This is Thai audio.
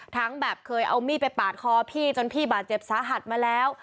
แบบเคยเอามีดไปปาดคอพี่จนพี่บาดเจ็บสาหัสมาแล้ว